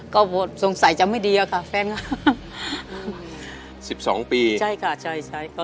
ก็ว่าสงสัยจะไม่ดีละค่ะแฟนของก็